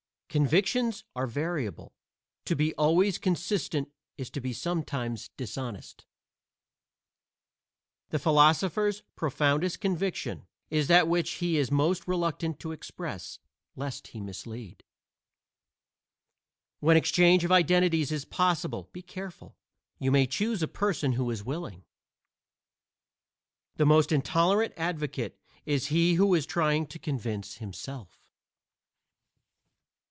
Convictions are variable; to be always consistent is to be sometimes dishonest. The philosopher's profoundest conviction is that which he is most reluctant to express, lest he mislead. When exchange of identities is possible, be careful; you may choose a person who is willing. The most intolerant advocate is he who is trying to convince himself.